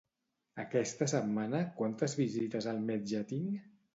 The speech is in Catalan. Aquesta setmana quantes visites al metge tinc?